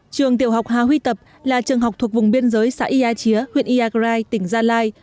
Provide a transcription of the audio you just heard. trường tiểu học hà huy tập là trường học thuộc vùng biên giới xã ia chía huyện iagrai tỉnh gia lai